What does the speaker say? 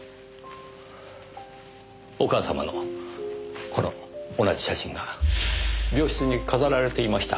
お母様のこの同じ写真が病室に飾られていました。